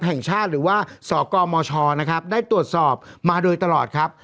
แห่งชาติหรือว่าสกมชนะครับได้ตรวจสอบมาโดยตลอดครับ